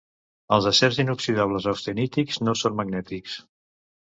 Els acers inoxidables austenítics no són magnètics.